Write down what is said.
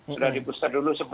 sudah di booster dulu